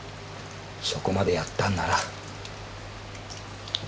そこまでやったんなら。